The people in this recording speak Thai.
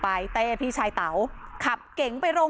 มีชายแปลกหน้า๓คนผ่านมาทำทีเป็นช่วยค่างทาง